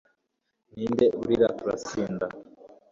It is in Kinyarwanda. Ninde urira turasinda